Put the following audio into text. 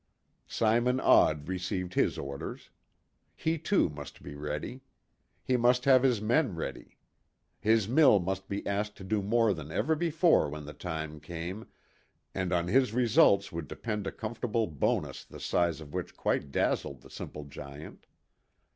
Simon Odd received his orders. He too must be ready. He must have his men ready. His mill must be asked to do more than ever before when the time came, and on his results would depend a comfortable bonus the size of which quite dazzled the simple giant.